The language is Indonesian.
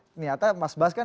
ternyata mas bas kan